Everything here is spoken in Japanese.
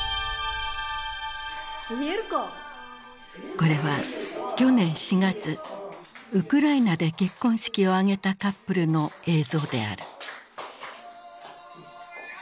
これは去年４月ウクライナで結婚式を挙げたカップルの映像である。